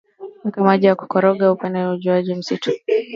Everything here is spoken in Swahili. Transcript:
weka maji na kukoroga iliupate ujiuji mzito